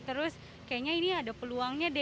terus kayaknya ini ada peluangnya deh